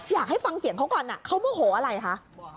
อยากให้ฟังเสียงเขาก่อนเขาโมโหอะไรคะ